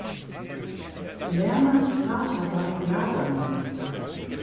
Lerners Vater war Glasermeister.